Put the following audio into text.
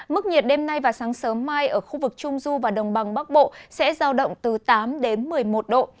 mức nhiệt đêm nay và sáng sớm mai ở khu vực trung du và đồng bằng bắc bộ sẽ giao động từ tám đến một mươi một độ